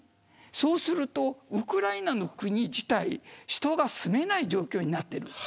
そうするとウクライナという国自体人が住めない状況になっていく。